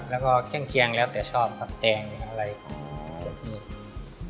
แล้วก็แค่งแค่งแล้วแต่ชอบปักแจงอะไรอ๋อแล้วทีนี้